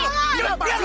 loh apaan itu